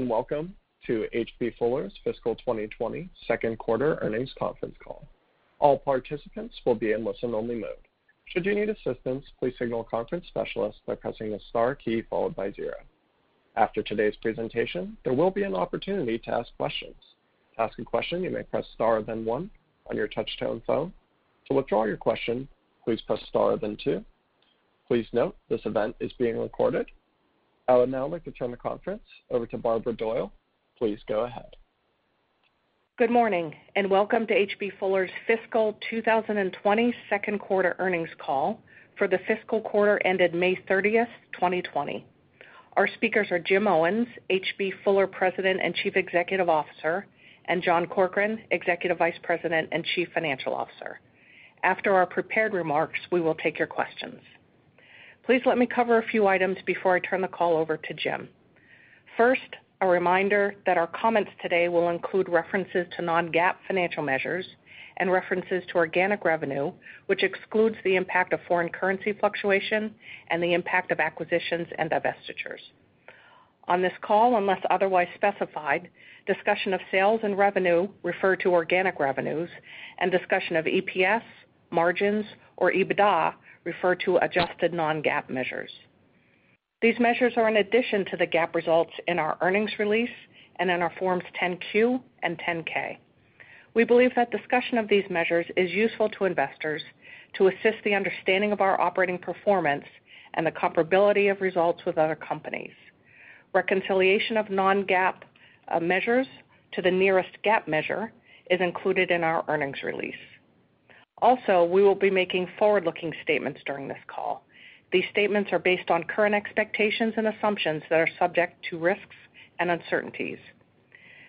Welcome to H.B. Fuller's fiscal 2020 second quarter earnings conference call. All participants will be in listen only mode. Should you need assistance, please signal a conference specialist by pressing the star key followed by zero. After today's presentation, there will be an opportunity to ask questions. To ask a question, you may press star, then one on your touch-tone phone. To withdraw your question, please press star, then two. Please note, this event is being recorded. I would now like to turn the conference over to Barbara Doyle. Please go ahead. Good morning. Welcome to H.B. Fuller's fiscal 2020 second quarter earnings call for the fiscal quarter ended May 30th, 2020. Our speakers are Jim Owens, H.B. Fuller President and Chief Executive Officer, and John Corkrean, Executive Vice President and Chief Financial Officer. After our prepared remarks, we will take your questions. Please let me cover a few items before I turn the call over to Jim. First, a reminder that our comments today will include references to non-GAAP financial measures and references to organic revenue, which excludes the impact of foreign currency fluctuation and the impact of acquisitions and divestitures. On this call, unless otherwise specified, discussion of sales and revenue refer to organic revenues, and discussion of EPS, margins, or EBITDA refer to adjusted non-GAAP measures. These measures are in addition to the GAAP results in our earnings release and in our forms 10-Q and 10-K. We believe that discussion of these measures is useful to investors to assist the understanding of our operating performance and the comparability of results with other companies. Reconciliation of non-GAAP measures to the nearest GAAP measure is included in our earnings release. We will be making forward-looking statements during this call. These statements are based on current expectations and assumptions that are subject to risks and uncertainties.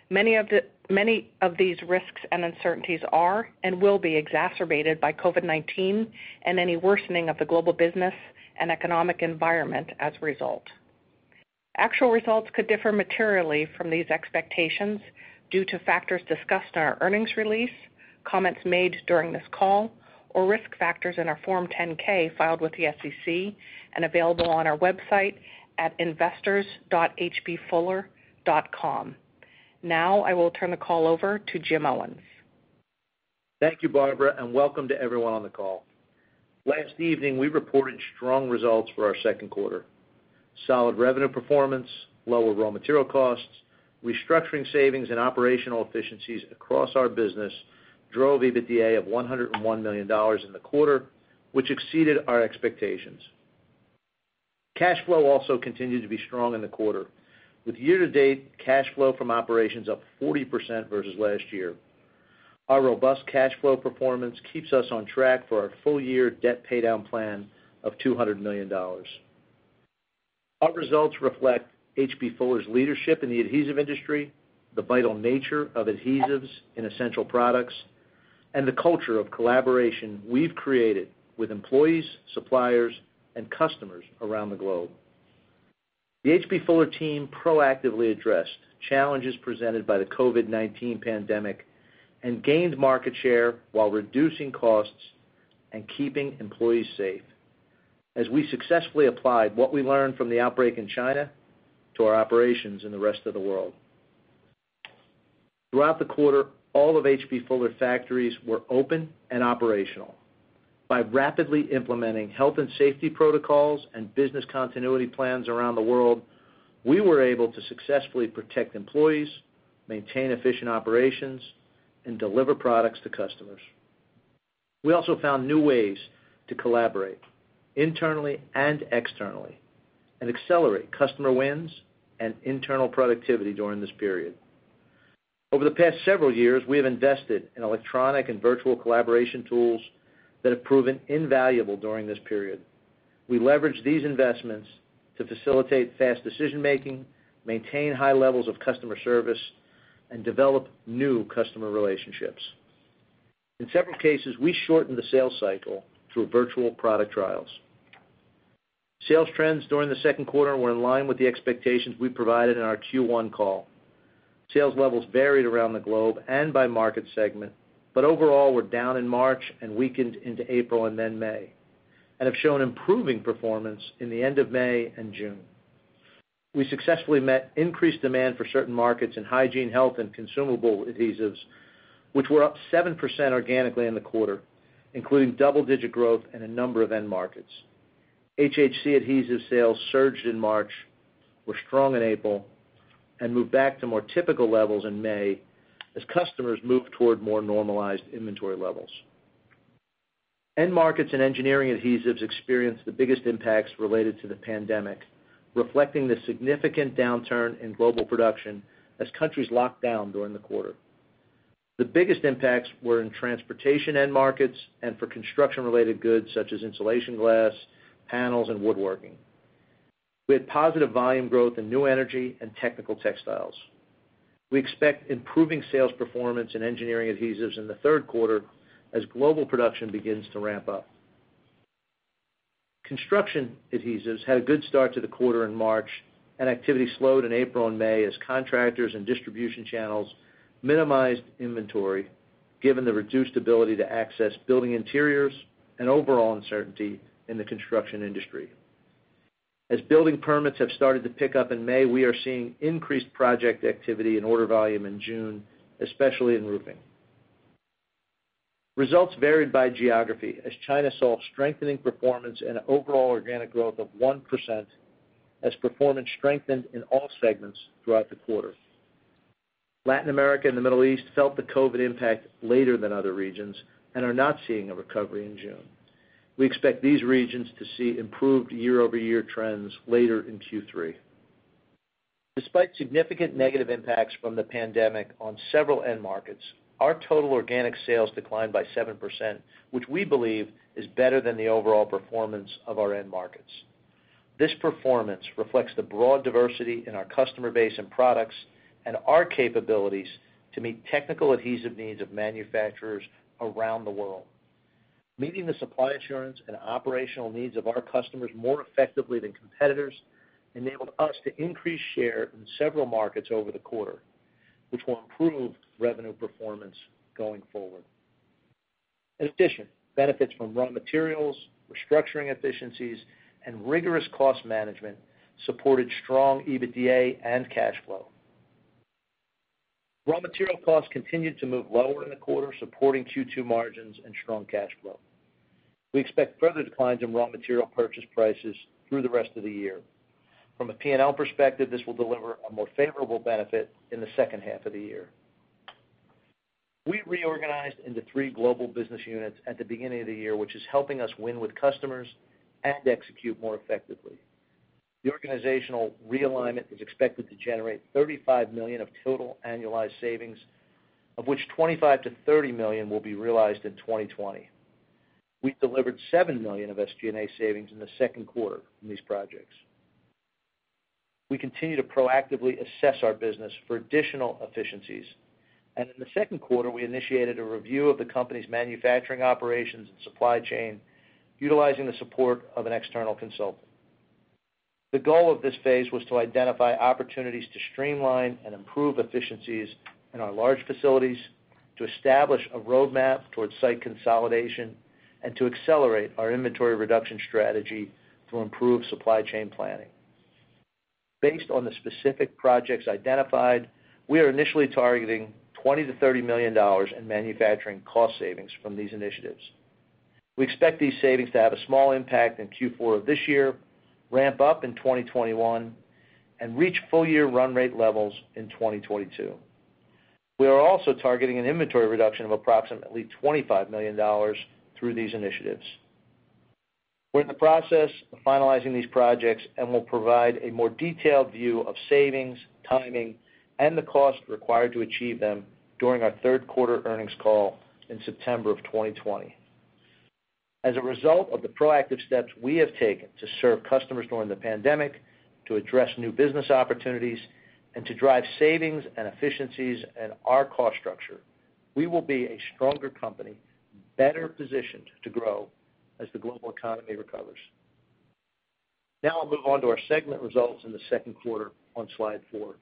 Many of these risks and uncertainties are and will be exacerbated by COVID-19 and any worsening of the global business and economic environment as a result. Actual results could differ materially from these expectations due to factors discussed in our earnings release, comments made during this call, or risk factors in our Form 10-K filed with the SEC and available on our website at investors.hbfuller.com. I will turn the call over to Jim Owens. Thank you, Barbara, and welcome to everyone on the call. Last evening, we reported strong results for our second quarter. Solid revenue performance, lower raw material costs, restructuring savings, and operational efficiencies across our business drove EBITDA of $101 million in the quarter, which exceeded our expectations. Cash flow also continued to be strong in the quarter, with year to date cash flow from operations up 40% versus last year. Our robust cash flow performance keeps us on track for our full year debt paydown plan of $200 million. Our results reflect H.B. Fuller's leadership in the adhesive industry, the vital nature of adhesives in essential products, and the culture of collaboration we've created with employees, suppliers, and customers around the globe. The H.B. Fuller team proactively addressed challenges presented by the COVID-19 pandemic and gained market share while reducing costs and keeping employees safe, as we successfully applied what we learned from the outbreak in China to our operations in the rest of the world. Throughout the quarter, all of H.B. Fuller factories were open and operational. By rapidly implementing health and safety protocols and business continuity plans around the world, we were able to successfully protect employees, maintain efficient operations, and deliver products to customers. We also found new ways to collaborate internally and externally and accelerate customer wins and internal productivity during this period. Over the past several years, we have invested in electronic and virtual collaboration tools that have proven invaluable during this period. We leveraged these investments to facilitate fast decision making, maintain high levels of customer service, and develop new customer relationships. In several cases, we shortened the sales cycle through virtual product trials. Sales trends during the second quarter were in line with the expectations we provided in our Q1 call. Sales levels varied around the globe and by market segment, but overall were down in March and weakened into April and then May, and have shown improving performance in the end of May and June. We successfully met increased demand for certain markets in Hygiene, Health, and Consumable Adhesives, which were up 7% organically in the quarter, including double-digit growth in a number of end markets. HHC adhesive sales surged in March, were strong in April, and moved back to more typical levels in May as customers moved toward more normalized inventory levels. End markets and Engineering Adhesives experienced the biggest impacts related to the pandemic, reflecting the significant downturn in global production as countries locked down during the quarter. The biggest impacts were in transportation end markets and for construction related goods such as insulation glass, panels, and woodworking. We had positive volume growth in new energy and technical textiles. We expect improving sales performance in Engineering Adhesives in the third quarter as global production begins to ramp up. Construction Adhesives had a good start to the quarter in March, and activity slowed in April and May as contractors and distribution channels minimized inventory. Given the reduced ability to access building interiors and overall uncertainty in the construction industry. As building permits have started to pick up in May, we are seeing increased project activity and order volume in June, especially in roofing. Results varied by geography, as China saw strengthening performance and overall organic growth of 1%, as performance strengthened in all segments throughout the quarter. Latin America and the Middle East felt the COVID-19 impact later than other regions and are not seeing a recovery in June. We expect these regions to see improved year-over-year trends later in Q3. Despite significant negative impacts from the pandemic on several end markets, our total organic sales declined by 7%, which we believe is better than the overall performance of our end markets. This performance reflects the broad diversity in our customer base and products, and our capabilities to meet technical adhesive needs of manufacturers around the world. Meeting the supply assurance and operational needs of our customers more effectively than competitors enabled us to increase share in several markets over the quarter, which will improve revenue performance going forward. In addition, benefits from raw materials, restructuring efficiencies, and rigorous cost management supported strong EBITDA and cash flow. Raw material costs continued to move lower in the quarter, supporting Q2 margins and strong cash flow. We expect further declines in raw material purchase prices through the rest of the year. From a P&L perspective, this will deliver a more favorable benefit in the second half of the year. We reorganized into three global business units at the beginning of the year, which is helping us win with customers and execute more effectively. The organizational realignment is expected to generate $35 million of total annualized savings, of which $25 million-$30 million will be realized in 2020. We delivered $7 million of SG&A savings in the second quarter from these projects. We continue to proactively assess our business for additional efficiencies, and in the second quarter, we initiated a review of the company's manufacturing operations and supply chain, utilizing the support of an external consultant. The goal of this phase was to identify opportunities to streamline and improve efficiencies in our large facilities, to establish a roadmap towards site consolidation, and to accelerate our inventory reduction strategy to improve supply chain planning. Based on the specific projects identified, we are initially targeting $20 million-$30 million in manufacturing cost savings from these initiatives. We expect these savings to have a small impact in Q4 of this year, ramp up in 2021, and reach full year run rate levels in 2022. We are also targeting an inventory reduction of approximately $25 million through these initiatives. We're in the process of finalizing these projects and will provide a more detailed view of savings, timing, and the cost required to achieve them during our third quarter earnings call in September of 2020. As a result of the proactive steps we have taken to serve customers during the pandemic, to address new business opportunities, and to drive savings and efficiencies in our cost structure, we will be a stronger company, better positioned to grow as the global economy recovers. I'll move on to our segment results in the second quarter on slide four.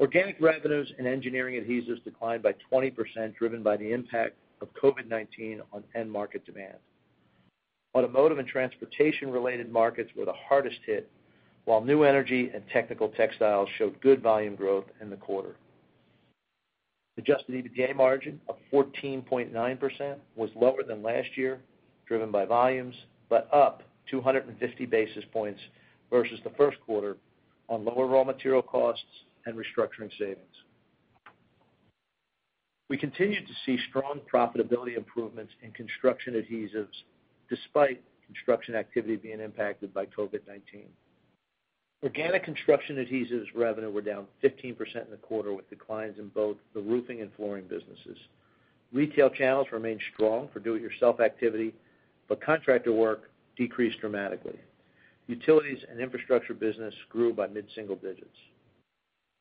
Organic revenues in Engineering Adhesives declined by 20%, driven by the impact of COVID-19 on end market demand. Automotive and transportation related markets were the hardest hit, while new energy and technical textiles showed good volume growth in the quarter. The adjusted EBITDA margin of 14.9% was lower than last year, driven by volumes, but up 250 basis points versus the first quarter on lower raw material costs and restructuring savings. We continued to see strong profitability improvements in construction adhesives despite construction activity being impacted by COVID-19. Organic construction adhesives revenue were down 15% in the quarter, with declines in both the roofing and flooring businesses. Retail channels remained strong for do-it-yourself activity, but contractor work decreased dramatically. Utilities and infrastructure business grew by mid-single digits.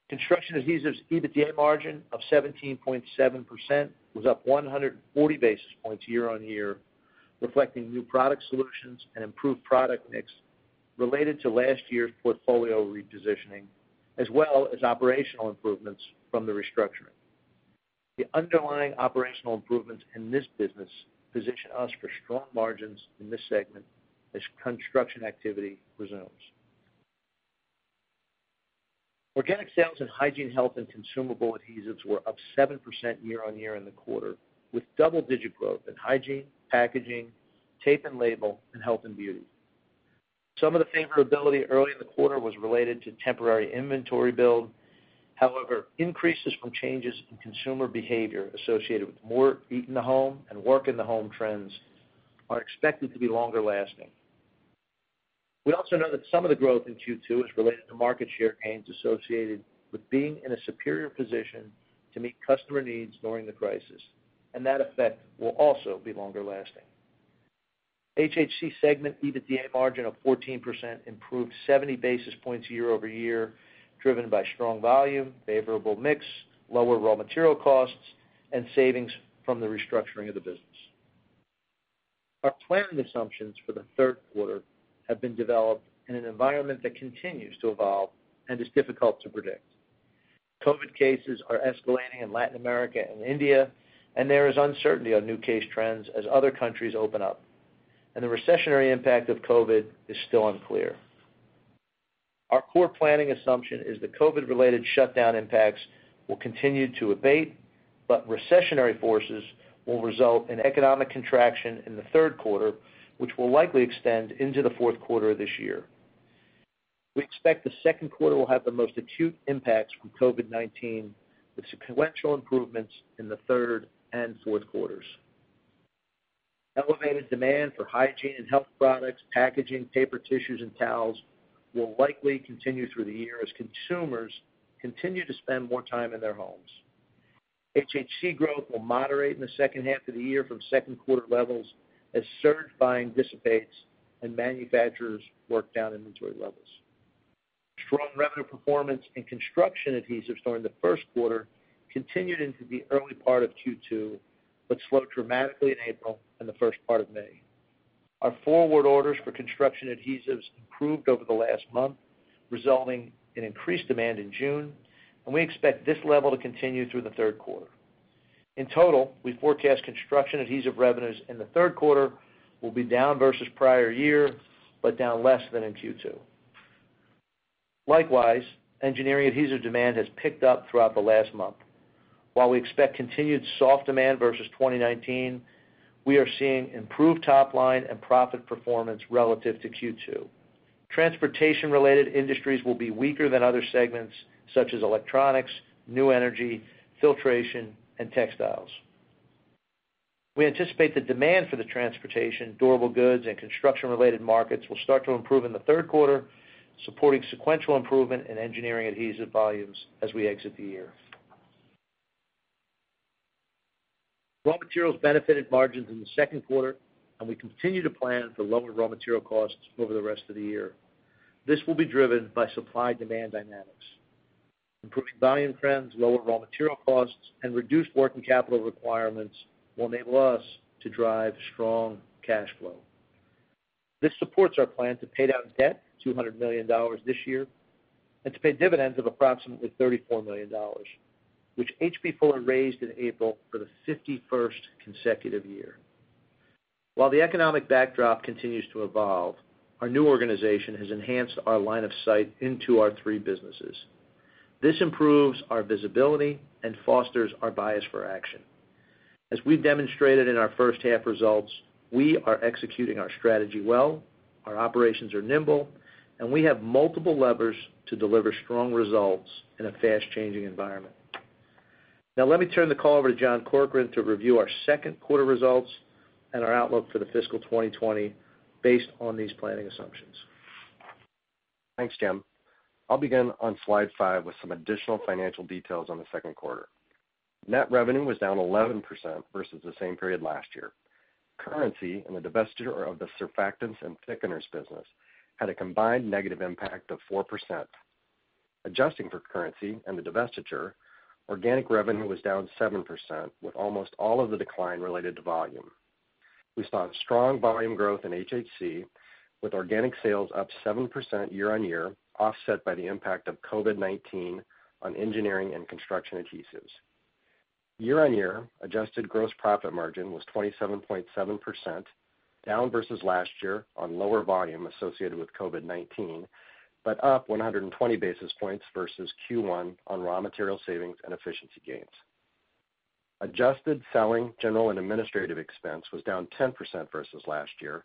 Construction adhesives EBITDA margin of 17.7% was up 140 basis points year-on-year, reflecting new product solutions and improved product mix related to last year's portfolio repositioning, as well as operational improvements from the restructuring. The underlying operational improvements in this business position us for strong margins in this segment as construction activity resumes. Organic sales in Hygiene, Health, and Consumable Adhesives were up 7% year-over-year in the quarter, with double-digit growth in hygiene, packaging, tape and label, and health and beauty. Some of the favorability early in the quarter was related to temporary inventory build. However, increases from changes in consumer behavior associated with more eat-in-the-home and work-in-the-home trends are expected to be longer-lasting. We also know that some of the growth in Q2 is related to market share gains associated with being in a superior position to meet customer needs during the crisis, and that effect will also be longer-lasting. HHC segment EBITDA margin of 14% improved 70 basis points year-over-year, driven by strong volume, favorable mix, lower raw material costs, and savings from the restructuring of the business. Our planning assumptions for the third quarter have been developed in an environment that continues to evolve and is difficult to predict. COVID cases are escalating in Latin America and India, and there is uncertainty on new case trends as other countries open up, and the recessionary impact of COVID is still unclear. Our core planning assumption is that COVID-related shutdown impacts will continue to abate, but recessionary forces will result in economic contraction in the third quarter, which will likely extend into the fourth quarter of this year. We expect the second quarter will have the most acute impacts from COVID-19, with sequential improvements in the third and fourth quarters. Elevated demand for hygiene and health products, packaging, paper tissues, and towels will likely continue through the year as consumers continue to spend more time in their homes. HHC growth will moderate in the second half of the year from second quarter levels as surge buying dissipates and manufacturers work down inventory levels. Strong revenue performance in construction adhesives during the first quarter continued into the early part of Q2, but slowed dramatically in April and the first part of May. Our forward orders for construction adhesives improved over the last month, resulting in increased demand in June, and we expect this level to continue through the third quarter. In total, we forecast construction adhesive revenues in the third quarter will be down versus prior year, but down less than in Q2. Likewise, engineering adhesive demand has picked up throughout the last month. While we expect continued soft demand versus 2019, we are seeing improved top-line and profit performance relative to Q2. Transportation-related industries will be weaker than other segments, such as electronics, new energy, filtration, and textiles. We anticipate the demand for the transportation, durable goods, and construction-related markets will start to improve in the third quarter, supporting sequential improvement in Engineering Adhesive volumes as we exit the year. Raw materials benefited margins in the second quarter, and we continue to plan for lower raw material costs over the rest of the year. This will be driven by supply-demand dynamics. Improving volume trends, lower raw material costs, and reduced working capital requirements will enable us to drive strong cash flow. This supports our plan to pay down debt, $200 million this year, and to pay dividends of approximately $34 million, which H.B. Fuller raised in April for the 51st consecutive year. While the economic backdrop continues to evolve, our new organization has enhanced our line of sight into our three businesses. This improves our visibility and fosters our bias for action. As we've demonstrated in our first half results, we are executing our strategy well, our operations are nimble, and we have multiple levers to deliver strong results in a fast-changing environment. Now, let me turn the call over to John Corkrean to review our second quarter results and our outlook for the fiscal 2020 based on these planning assumptions. Thanks, Jim. I'll begin on slide five with some additional financial details on the second quarter. Net revenue was down 11% versus the same period last year. Currency and the divestiture of the surfactants and thickeners business had a combined negative impact of 4%. Adjusting for currency and the divestiture, organic revenue was down 7%, with almost all of the decline related to volume. We saw strong volume growth in HHC, with organic sales up 7% year on year, offset by the impact of COVID-19 on engineering and construction adhesives. Year on year, adjusted gross profit margin was 27.7%, down versus last year on lower volume associated with COVID-19, but up 120 basis points versus Q1 on raw material savings and efficiency gains. Adjusted selling, general, and administrative expense was down 10% versus last year,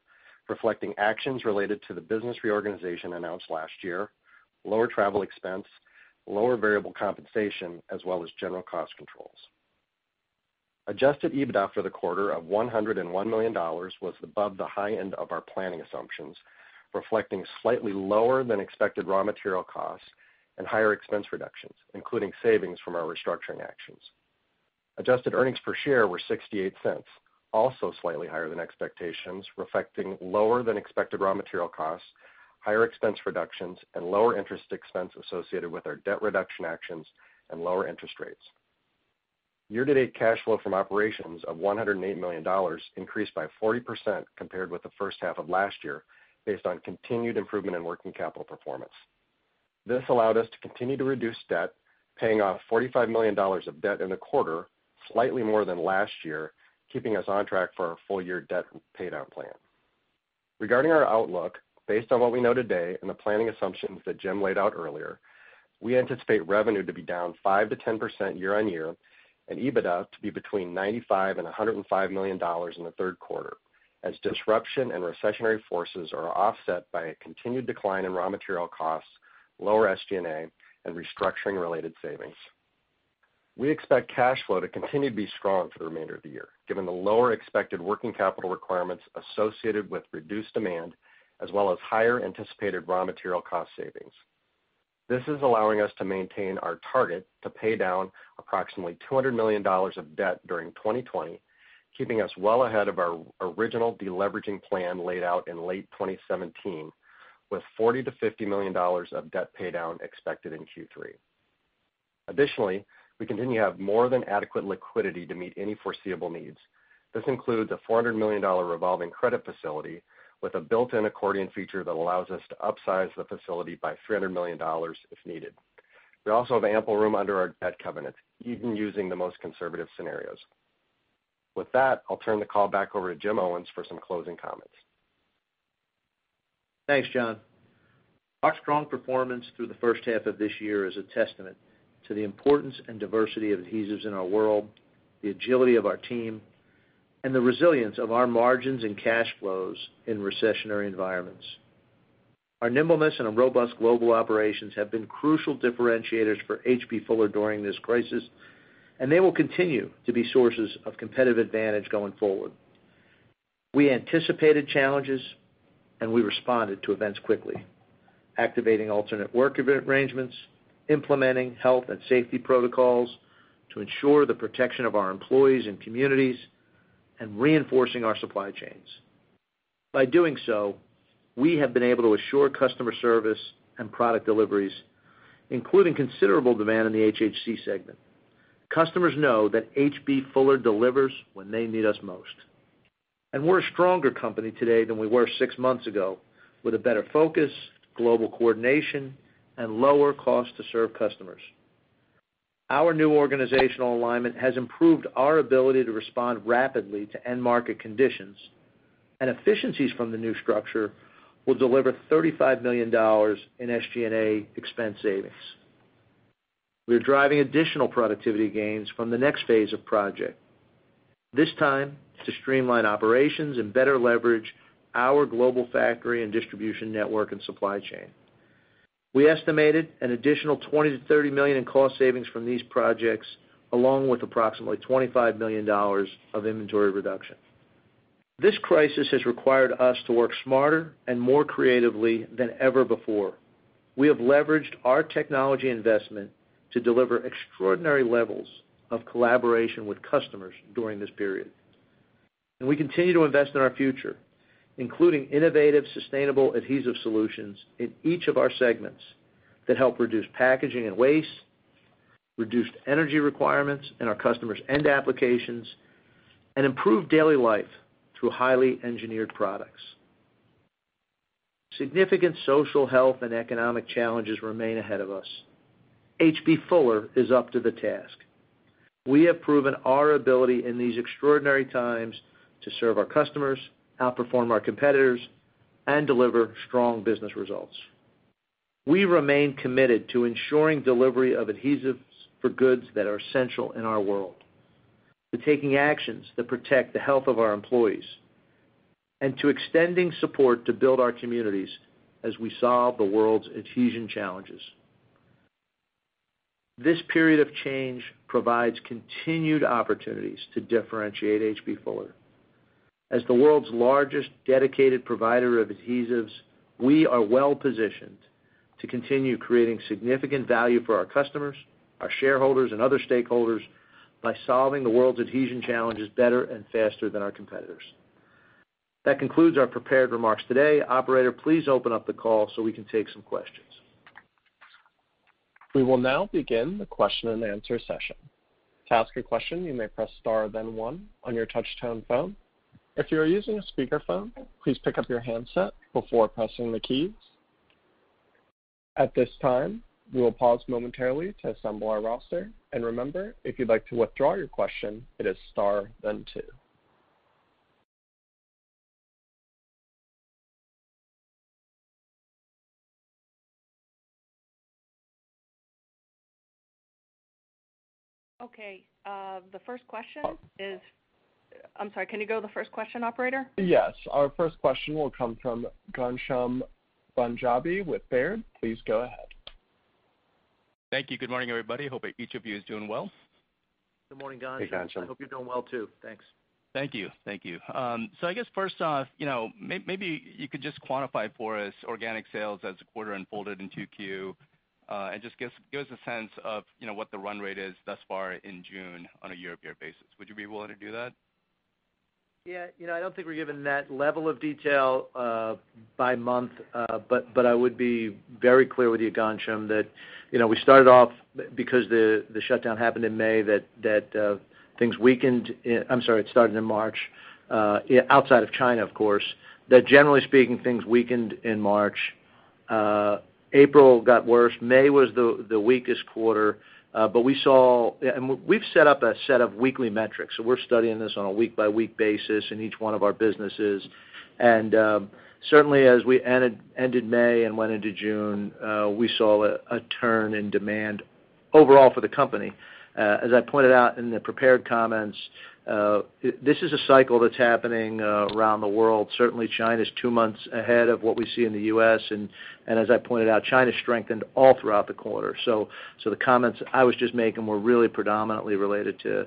reflecting actions related to the business reorganization announced last year, lower travel expense, lower variable compensation, as well as general cost controls. Adjusted EBITDA for the quarter of $101 million was above the high end of our planning assumptions, reflecting slightly lower than expected raw material costs and higher expense reductions, including savings from our restructuring actions. Adjusted earnings per share were $0.68, also slightly higher than expectations, reflecting lower than expected raw material costs, higher expense reductions, and lower interest expense associated with our debt reduction actions and lower interest rates. Year-to-date cash flow from operations of $108 million increased by 40% compared with the first half of last year, based on continued improvement in working capital performance. This allowed us to continue to reduce debt, paying off $45 million of debt in the quarter, slightly more than last year, keeping us on track for our full-year debt paydown plan. Regarding our outlook, based on what we know today and the planning assumptions that Jim laid out earlier, we anticipate revenue to be down 5%-10% year-on-year and EBITDA to be between $95 million and $105 million in the third quarter, as disruption and recessionary forces are offset by a continued decline in raw material costs, lower SG&A, and restructuring-related savings. We expect cash flow to continue to be strong for the remainder of the year, given the lower expected working capital requirements associated with reduced demand, as well as higher anticipated raw material cost savings. This is allowing us to maintain our target to pay down approximately $200 million of debt during 2020, keeping us well ahead of our original deleveraging plan laid out in late 2017, with $40 million-$50 million of debt paydown expected in Q3. Additionally, we continue to have more than adequate liquidity to meet any foreseeable needs. This includes a $400 million revolving credit facility with a built-in accordion feature that allows us to upsize the facility by $300 million if needed. We also have ample room under our debt covenants, even using the most conservative scenarios. With that, I'll turn the call back over to Jim Owens for some closing comments. Thanks, John. Our strong performance through the first half of this year is a testament to the importance and diversity of adhesives in our world, the agility of our team, and the resilience of our margins and cash flows in recessionary environments. Our nimbleness and our robust global operations have been crucial differentiators for H.B. Fuller during this crisis, and they will continue to be sources of competitive advantage going forward. We anticipated challenges, and we responded to events quickly, activating alternate work arrangements, implementing health and safety protocols to ensure the protection of our employees and communities, and reinforcing our supply chains. By doing so, we have been able to assure customer service and product deliveries, including considerable demand in the HHC segment. Customers know that H.B. Fuller delivers when they need us most. We're a stronger company today than we were six months ago, with a better focus, global coordination, and lower cost to serve customers. Our new organizational alignment has improved our ability to respond rapidly to end market conditions, and efficiencies from the new structure will deliver $35 million in SG&A expense savings. We are driving additional productivity gains from the next phase of project. This time, to streamline operations and better leverage our global factory and distribution network and supply chain. We estimated an additional $20 million-$30 million in cost savings from these projects, along with approximately $25 million of inventory reduction. This crisis has required us to work smarter and more creatively than ever before. We have leveraged our technology investment to deliver extraordinary levels of collaboration with customers during this period. We continue to invest in our future, including innovative, sustainable adhesive solutions in each of our segments that help reduce packaging and waste, reduced energy requirements in our customers' end applications, and improve daily life through highly engineered products. Significant social health and economic challenges remain ahead of us. H.B. Fuller is up to the task. We have proven our ability in these extraordinary times to serve our customers, outperform our competitors, and deliver strong business results. We remain committed to ensuring delivery of adhesives for goods that are essential in our world, to taking actions that protect the health of our employees, and to extending support to build our communities as we solve the world's adhesion challenges. This period of change provides continued opportunities to differentiate H.B. Fuller. As the world's largest dedicated provider of adhesives, we are well positioned to continue creating significant value for our customers, our shareholders, and other stakeholders by solving the world's adhesion challenges better and faster than our competitors. That concludes our prepared remarks today. Operator, please open up the call so we can take some questions. We will now begin the question and answer session. To ask a question, you may press star, then one on your touch tone phone. If you are using a speakerphone, please pick up your handset before pressing the keys. At this time, we will pause momentarily to assemble our roster, and remember, if you'd like to withdraw your question, it is star, then two. Okay. I'm sorry, can you go to the first question, operator? Yes. Our first question will come from Ghansham Panjabi with Baird. Please go ahead. Thank you. Good morning, everybody. Hope each of you is doing well. Good morning, Ghansham. Hey, Ghansham. I hope you're doing well, too. Thanks. Thank you. I guess first off, maybe you could just quantify for us organic sales as the quarter unfolded in 2Q, and just give us a sense of what the run rate is thus far in June on a year-over-year basis. Would you be willing to do that? Yeah. I don't think we're giving that level of detail by month, but I would be very clear with you, Ghansham, that we started off, because the shutdown happened in May, that things weakened I'm sorry, it started in March, outside of China, of course, that generally speaking, things weakened in March. April got worse. May was the weakest quarter. We've set up a set of weekly metrics, so we're studying this on a week-by-week basis in each one of our businesses. Certainly as we ended May and went into June, we saw a turn in demand overall for the company. As I pointed out in the prepared comments, this is a cycle that's happening around the world. Certainly, China's two months ahead of what we see in the U.S., and as I pointed out, China strengthened all throughout the quarter. The comments I was just making were really predominantly related to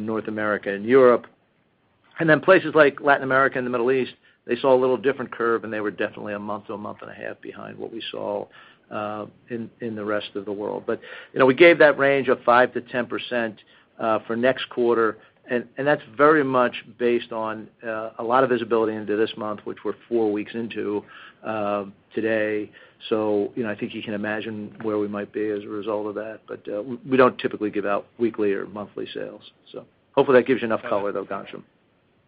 North America and Europe. Then places like Latin America and the Middle East, they saw a little different curve, and they were definitely a month to a month and a half behind what we saw in the rest of the world. We gave that range of 5%-10% for next quarter, and that's very much based on a lot of visibility into this month, which we're four weeks into today. I think you can imagine where we might be as a result of that, but we don't typically give out weekly or monthly sales. Hopefully that gives you enough color, though, Ghansham.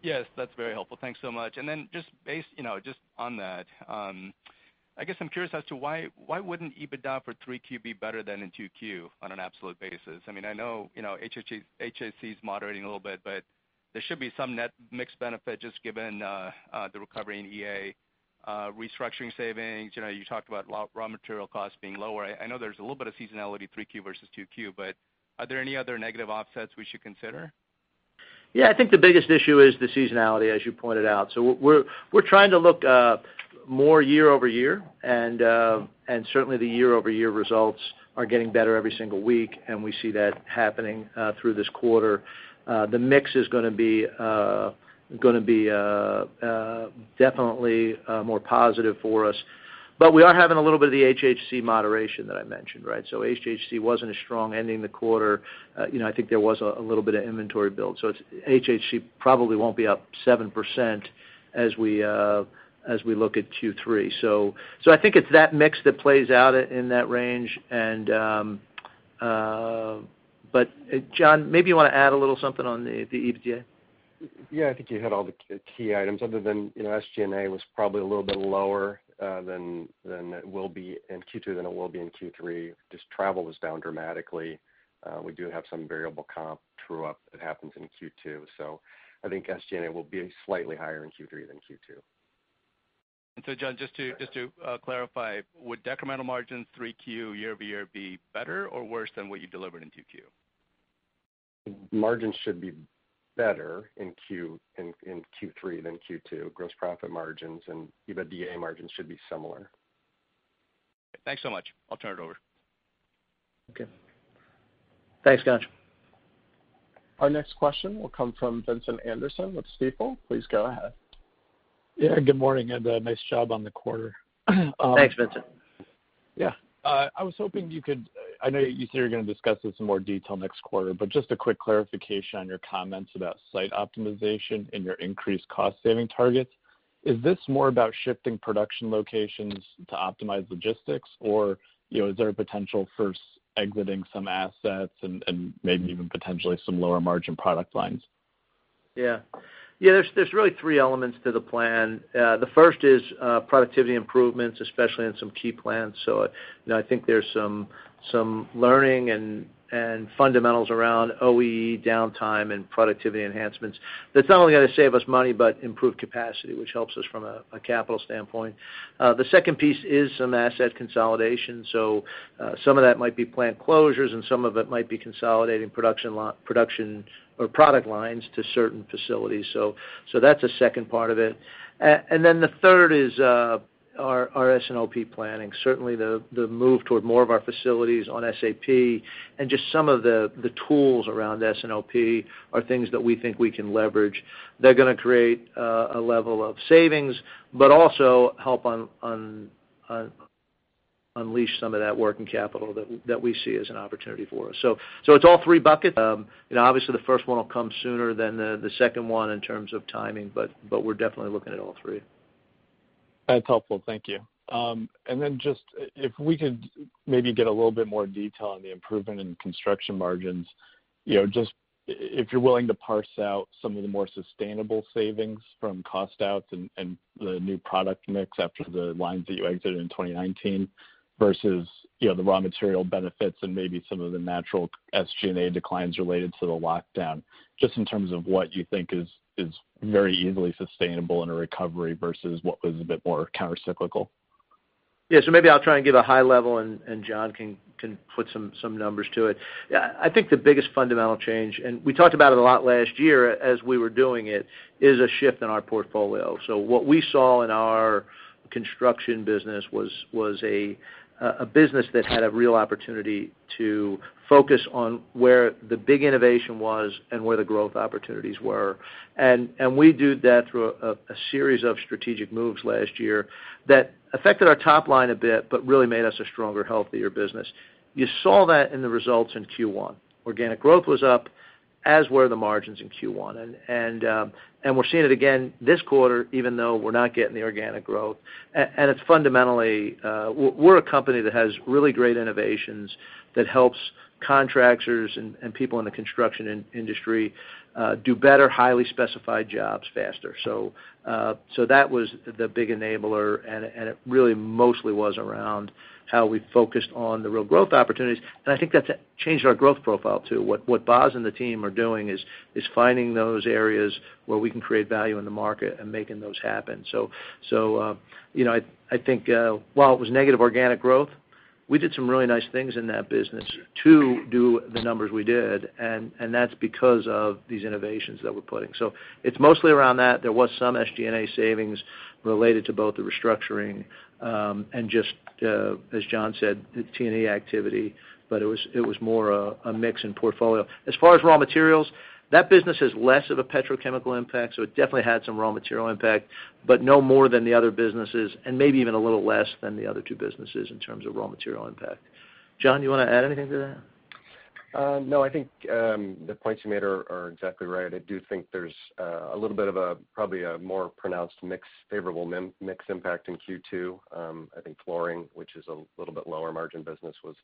Yes, that's very helpful. Thanks so much. Just on that, I guess I'm curious as to why wouldn't EBITDA for 3Q be better than in 2Q on an absolute basis? I know HHC is moderating a little bit, but there should be some net mix benefit just given the recovery in EA restructuring savings. You talked about raw material costs being lower. I know there's a little bit of seasonality 3Q versus 2Q, but are there any other negative offsets we should consider? Yeah, I think the biggest issue is the seasonality, as you pointed out. We're trying to look more year-over-year, and certainly the year-over-year results are getting better every single week, and we see that happening through this quarter. The mix is going to be definitely more positive for us, but we are having a little bit of the HHC moderation that I mentioned. HHC wasn't as strong ending the quarter. I think there was a little bit of inventory build. HHC probably won't be up 7% as we look at Q3. I think it's that mix that plays out in that range. John, maybe you want to add a little something on the EBITDA. Yeah, I think you hit all the key items other than SG&A was probably a little bit lower than it will be in Q2 than it will be in Q3. Just travel was down dramatically. We do have some variable comp true up that happens in Q2. I think SG&A will be slightly higher in Q3 than Q2. John, just to clarify, would decremental margins 3Q year-over-year be better or worse than what you delivered in 2Q? Margins should be better in Q3 than Q2. Gross profit margins and EBITDA margins should be similar. Thanks so much. I'll turn it over. Okay. Thanks, Ghansh. Our next question will come from Vincent Anderson with Stifel. Please go ahead. Yeah, Good morning, and nice job on the quarter. Thanks, Vincent. Yeah. I was hoping you could, I know you said you're going to discuss this in more detail next quarter, but just a quick clarification on your comments about site optimization and your increased cost saving targets. Is this more about shifting production locations to optimize logistics, or is there a potential for exiting some assets and maybe even potentially some lower margin product lines? Yeah. There's really three elements to the plan. The first is productivity improvements, especially on some key plans. I think there's some learning and fundamentals around OEE downtime and productivity enhancements that's not only going to save us money, but improve capacity, which helps us from a capital standpoint. The second piece is some asset consolidation. Some of that might be plant closures and some of it might be consolidating production or product lines to certain facilities. That's a second part of it. The third is our S&OP planning. Certainly the move toward more of our facilities on SAP and just some of the tools around S&OP are things that we think we can leverage. They're going to create a level of savings, but also help unleash some of that working capital that we see as an opportunity for us. It's all three buckets. The first one will come sooner than the second one in terms of timing. We're definitely looking at all three. That's helpful. Thank you. Then just if we could maybe get a little bit more detail on the improvement in construction margins. Just if you're willing to parse out some of the more sustainable savings from cost outs and the new product mix after the lines that you exited in 2019 versus the raw material benefits and maybe some of the natural SG&A declines related to the lockdown, just in terms of what you think is very easily sustainable in a recovery versus what was a bit more countercyclical? Yeah. Maybe I'll try and give a high level and John can put some numbers to it. I think the biggest fundamental change, and we talked about it a lot last year as we were doing it, is a shift in our portfolio. What we saw in our construction business was a business that had a real opportunity to focus on where the big innovation was and where the growth opportunities were. We did that through a series of strategic moves last year that affected our top line a bit, but really made us a stronger, healthier business. You saw that in the results in Q1. Organic growth was up, as were the margins in Q1. We're seeing it again this quarter, even though we're not getting the organic growth. It's fundamentally, we're a company that has really great innovations that helps contractors and people in the construction industry do better, highly specified jobs faster. That was the big enabler, and it really mostly was around how we focused on the real growth opportunities. I think that's changed our growth profile, too. What Boz and the team are doing is finding those areas where we can create value in the market and making those happen. I think while it was negative organic growth, we did some really nice things in that business to do the numbers we did, and that's because of these innovations that we're putting. It's mostly around that. There was some SG&A savings related to both the restructuring, and just as John said, the T&E activity, but it was more a mix in portfolio. As far as raw materials, that business has less of a petrochemical impact. It definitely had some raw material impact, but no more than the other businesses and maybe even a little less than the other two businesses in terms of raw material impact. John, you want to add anything to that? No, I think the points you made are exactly right. I do think there's a little bit of probably a more pronounced favorable mix impact in Q2. I think flooring, which is a little bit lower margin business was.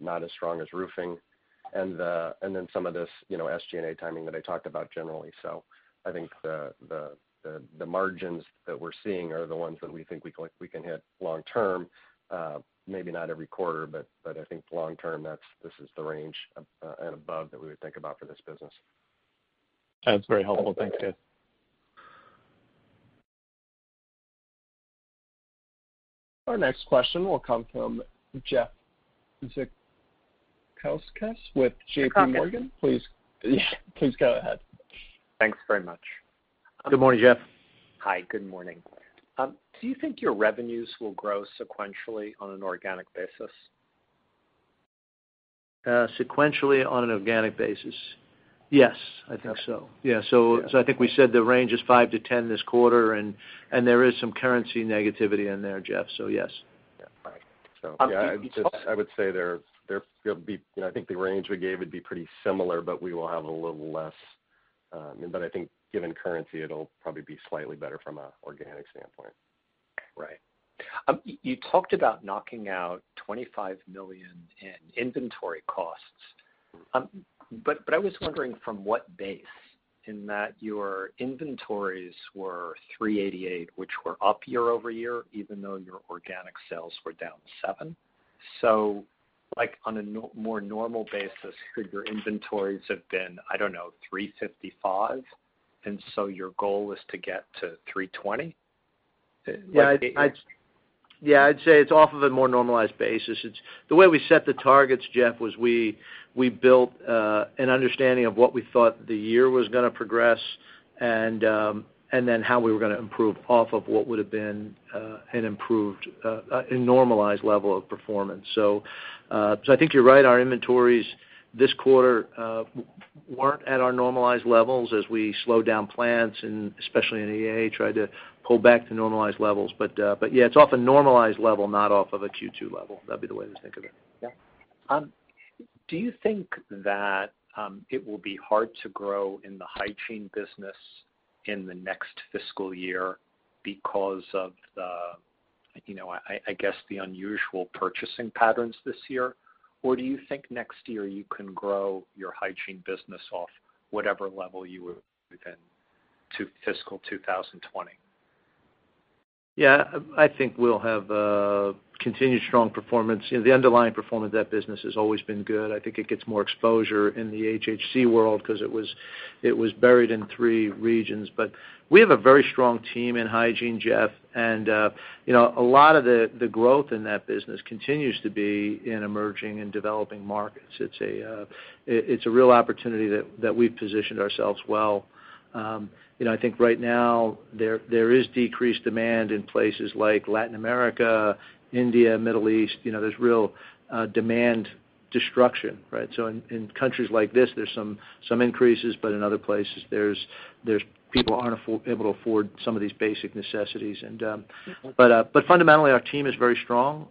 Not as strong as roofing. Some of this SG&A timing that I talked about generally. I think the margins that we're seeing are the ones that we think we can hit long term. Maybe not every quarter, but I think long term, this is the range and above that we would think about for this business. That's very helpful. Thanks, Jim. Our next question will come from Jeff Zekauskas with J.P. Morgan. Please go ahead. Thanks very much. Good morning, Jeff. Hi, good morning. Do you think your revenues will grow sequentially on an organic basis? Sequentially on an organic basis. Yes, I think so. Yeah. I think we said the range is 5-10 this quarter, and there is some currency negativity in there, Jeff. Yes. Yeah. Right. I would say I think the range we gave would be pretty similar, but we will have a little less. I think given currency, it'll probably be slightly better from an organic standpoint. Right. You talked about knocking out $25 million in inventory costs. I was wondering from what base, in that your inventories were $388 million, which were up year-over-year, even though your organic sales were down seven. Like on a more normal basis, could your inventories have been, I don't know, $355 million? Your goal is to get to $320 million? I'd say it's off of a more normalized basis. The way we set the targets, Jeff, was we built an understanding of what we thought the year was going to progress and then how we were going to improve off of what would have been an improved, a normalized level of performance. I think you're right. Our inventories this quarter weren't at our normalized levels as we slowed down plants and especially in EA, tried to pull back to normalized levels. Yeah, it's off a normalized level, not off of a Q2 level. That'd be the way to think of it. Yeah. Do you think that it will be hard to grow in the hygiene business in the next fiscal year because of the, I guess the unusual purchasing patterns this year? Do you think next year you can grow your hygiene business off whatever level you were within fiscal 2020? Yeah, I think we'll have continued strong performance. The underlying performance of that business has always been good. We have a very strong team in hygiene, Jeff, and a lot of the growth in that business continues to be in emerging and developing markets. It's a real opportunity that we've positioned ourselves well. I think right now there is decreased demand in places like Latin America, India, Middle East. There's real demand destruction, right? In countries like this, there's some increases, but in other places, people aren't able to afford some of these basic necessities. Fundamentally, our team is very strong.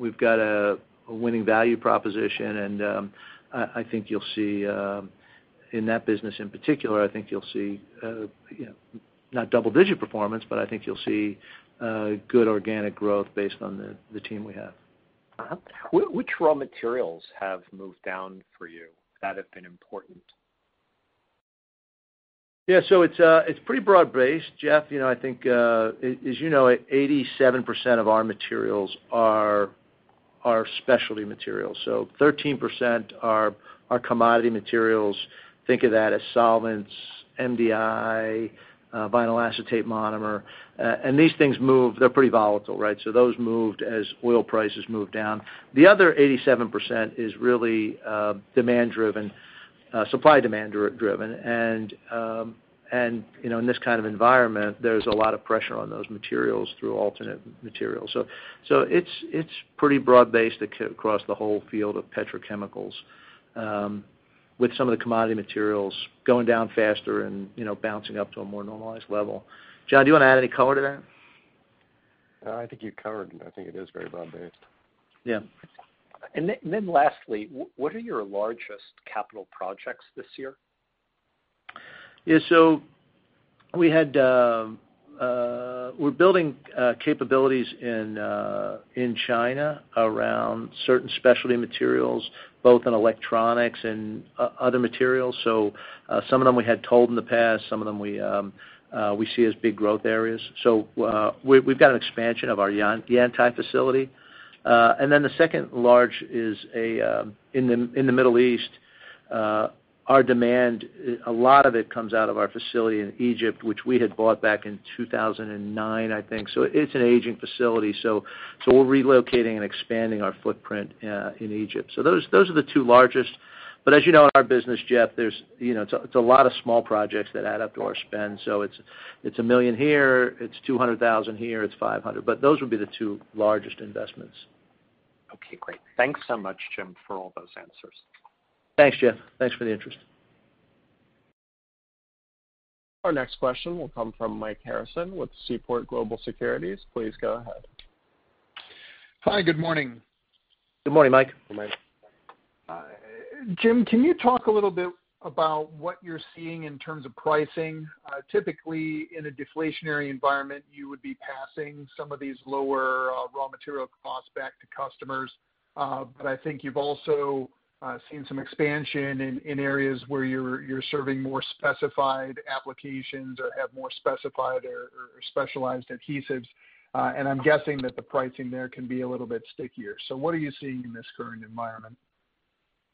We've got a winning value proposition, and I think you'll see in that business in particular, I think you'll see not double-digit performance, but I think you'll see good organic growth based on the team we have. Which raw materials have moved down for you that have been important? Yeah, it's pretty broad-based, Jeff. As you know, 87% of our materials are our specialty materials. 13% are our commodity materials. Think of that as solvents, MDI, vinyl acetate monomer. These things move. They're pretty volatile, right? Those moved as oil prices moved down. The other 87% is really supply demand driven, and in this kind of environment, there's a lot of pressure on those materials through alternate materials. It's pretty broad-based across the whole field of petrochemicals, with some of the commodity materials going down faster and bouncing up to a more normalized level. John, do you want to add any color to that? I think you covered it. I think it is very broad-based. Yeah. Lastly, what are your largest capital projects this year? We're building capabilities in China around certain specialty materials, both in electronics and other materials. Some of them we had told in the past, some of them we see as big growth areas. We've got an expansion of our Yantai facility. The second large is in the Middle East. Our demand, a lot of it comes out of our facility in Egypt, which we had bought back in 2009, I think. It's an aging facility, so we're relocating and expanding our footprint in Egypt. Those are the two largest. As you know, in our business, Jeff, it's a lot of small projects that add up to our spend. It's $1 million here, it's $200,000 here, it's $500. Those would be the two largest investments. Okay, great. Thanks so much, Jim, for all those answers. Thanks, Jeff. Thanks for the interest. Our next question will come from Mike Harrison with Seaport Global Securities. Please go ahead. Hi. Good morning. Good morning, Mike. Good morning. Jim, can you talk a little bit about what you're seeing in terms of pricing? Typically, in a deflationary environment, you would be passing some of these lower raw material costs back to customers. I think you've also seen some expansion in areas where you're serving more specified applications or have more specified or specialized adhesives. I'm guessing that the pricing there can be a little bit stickier. What are you seeing in this current environment?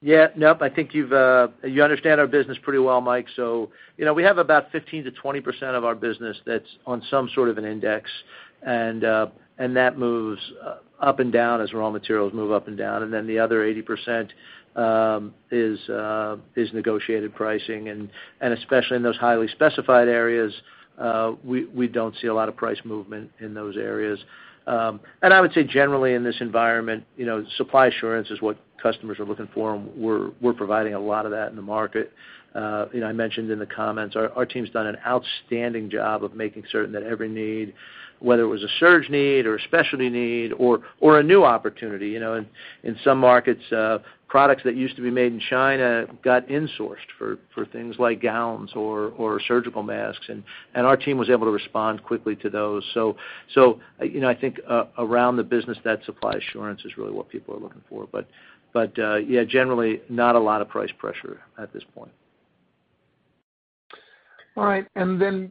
I think you understand our business pretty well, Mike. We have about 15%-20% of our business that's on some sort of an index, and that moves up and down as raw materials move up and down. The other 80% is negotiated pricing. Especially in those highly specified areas, we don't see a lot of price movement in those areas. I would say, generally, in this environment, supply assurance is what customers are looking for, and we're providing a lot of that in the market. I mentioned in the comments, our team's done an outstanding job of making certain that every need, whether it was a surge need or a specialty need or a new opportunity. In some markets, products that used to be made in China got insourced for things like gowns or surgical masks, and our team was able to respond quickly to those. I think around the business, that supply assurance is really what people are looking for. Yeah, generally, not a lot of price pressure at this point. All right. Within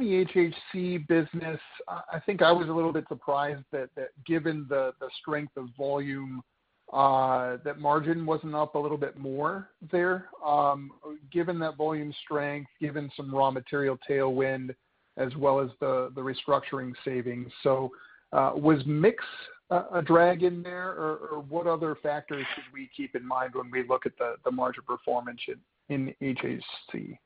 the HHC business, I think I was a little bit surprised that given the strength of volume, that margin wasn't up a little bit more there, given that volume strength, given some raw material tailwind, as well as the restructuring savings. Was mix a drag in there, or what other factors should we keep in mind when we look at the margin performance in HHC?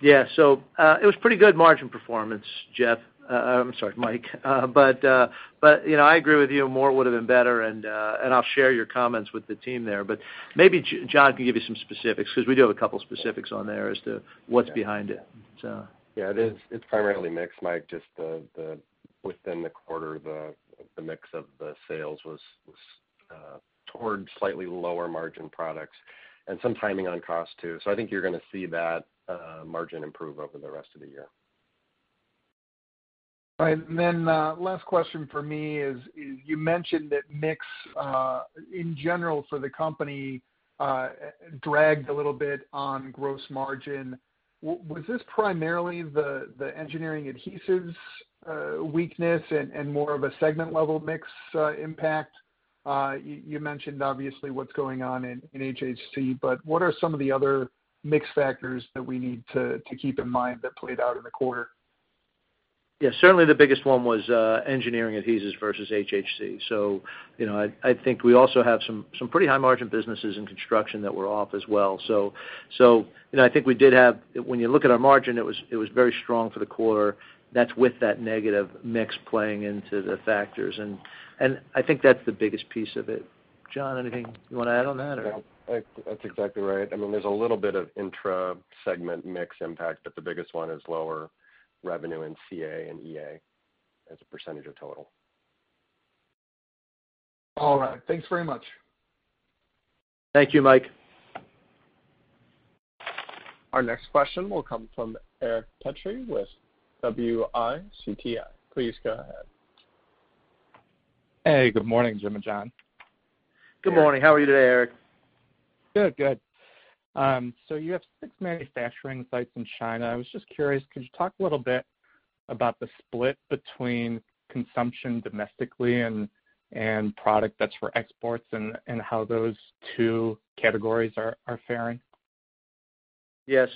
Yeah. It was pretty good margin performance, Jeff. I'm sorry, Mike. I agree with you, more would've been better, and I'll share your comments with the team there. Maybe John can give you some specifics because we do have two specifics on there as to what's behind it. Yeah, it's primarily mix, Mike, just within the quarter, the mix of the sales was towards slightly lower margin products, and some timing on cost, too. I think you're going to see that margin improve over the rest of the year. All right. Last question from me is, you mentioned that mix, in general for the company, dragged a little bit on gross margin. Was this primarily the Engineering Adhesives weakness and more of a segment level mix impact? You mentioned, obviously, what's going on in HHC, what are some of the other mix factors that we need to keep in mind that played out in the quarter? Yeah, certainly the biggest one was Engineering Adhesives versus HHC. I think we also have some pretty high margin businesses in construction that were off as well. When you look at our margin, it was very strong for the quarter. That's with that negative mix playing into the factors, and I think that's the biggest piece of it. John, anything you want to add on that? No, that's exactly right. There's a little bit of intra segment mix impact, but the biggest one is lower revenue in CA and EA as a percentage of total. All right. Thanks very much. Thank you, Mike. Our next question will come from Eric Petrie with Citi. Please go ahead. Hey, good morning, Jim and John. Good morning. How are you today, Eric? Good. You have six manufacturing sites in China. I was just curious, could you talk a little bit about the split between consumption domestically and product that's for exports and how those two categories are faring? Yeah,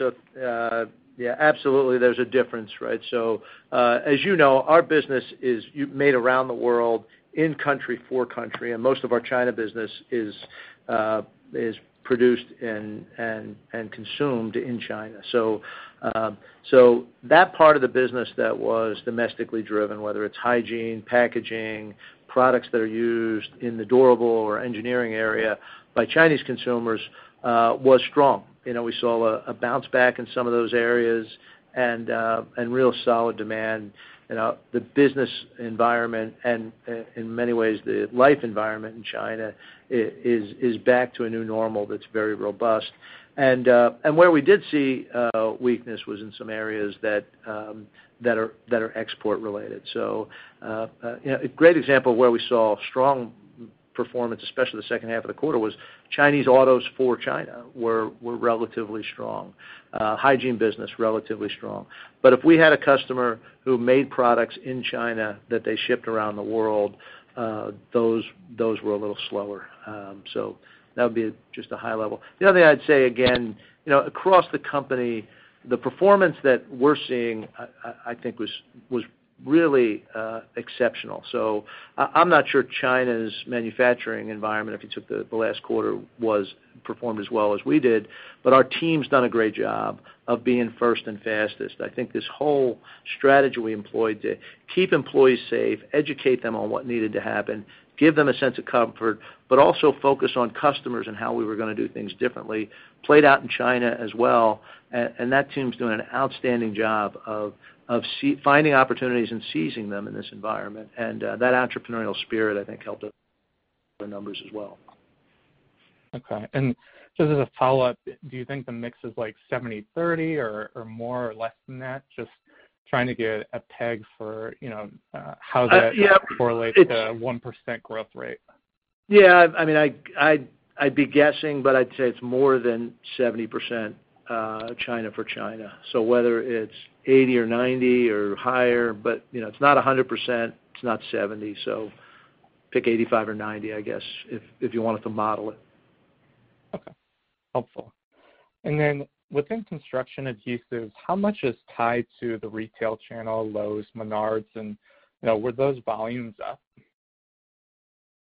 absolutely, there's a difference, right? As you know, our business is made around the world, in country for country, and most of our China business is produced and consumed in China. That part of the business that was domestically driven, whether it's hygiene, packaging, products that are used in the durable or engineering area by Chinese consumers, was strong. We saw a bounce back in some of those areas and real solid demand. The business environment, and in many ways, the life environment in China, is back to a new normal that's very robust. Where we did see weakness was in some areas that are export related. A great example of where we saw strong performance, especially the second half of the quarter, was Chinese autos for China were relatively strong. Hygiene business, relatively strong. If we had a customer who made products in China that they shipped around the world, those were a little slower. That would be just a high level. The other thing I'd say, again, across the company, the performance that we're seeing, I think was really exceptional. I'm not sure China's manufacturing environment, if you took the last quarter, performed as well as we did, but our team's done a great job of being first and fastest. I think this whole strategy we employed to keep employees safe, educate them on what needed to happen, give them a sense of comfort, but also focus on customers and how we were going to do things differently, played out in China as well. That team's doing an outstanding job of finding opportunities and seizing them in this environment. That entrepreneurial spirit, I think, helped us with the numbers as well. Okay. Just as a follow-up, do you think the mix is like 70/30 or more or less than that? Just trying to get a peg for how that correlates to a 1% growth rate. Yeah. I'd be guessing, but I'd say it's more than 70% China for China. Whether it's 80 or 90 or higher, but it's not 100%, it's not 70. Pick 85 or 90, I guess, if you wanted to model it. Okay. Helpful. Then within construction adhesives, how much is tied to the retail channel, Lowe's, Menards, and were those volumes up?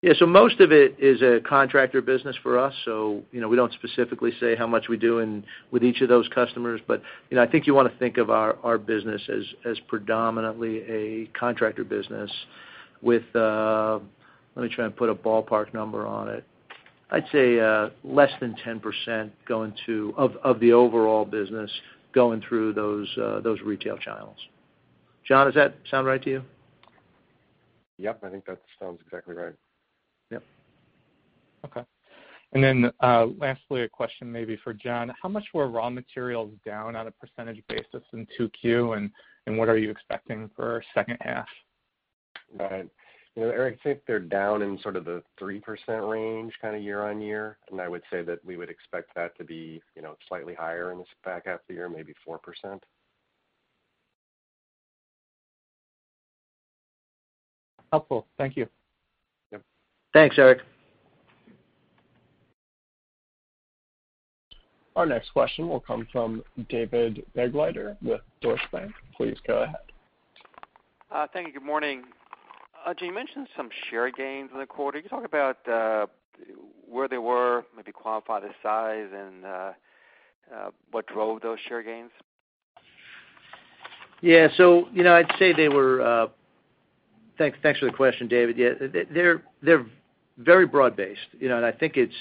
Yeah. Most of it is a contractor business for us, so we don't specifically say how much we do with each of those customers. I think you want to think of our business as predominantly a contractor business with, let me try and put a ballpark number on it. I'd say less than 10%, of the overall business, going through those retail channels. John, does that sound right to you? Yep. I think that sounds exactly right. Yep. Okay. Lastly, a question maybe for John. How much were raw materials down on a percentage basis in 2Q, and what are you expecting for second half? Right. Eric, I think they're down in sort of the 3% range kind of year-on-year, and I would say that we would expect that to be slightly higher in the back half of the year, maybe 4%. Helpful. Thank you. Yep. Thanks, Eric. Our next question will come from David Begleiter with Deutsche Bank. Please go ahead. Thank you. Good morning. Jim, you mentioned some share gains in the quarter. Can you talk about where they were, maybe quantify the size, and what drove those share gains? Yeah. Thanks for the question, David. They're very broad-based. I think it's